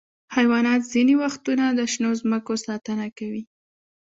حیوانات ځینې وختونه د شنو ځمکو ساتنه کوي.